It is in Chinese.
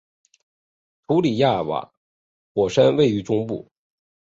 图里亚尔瓦火山位于中部。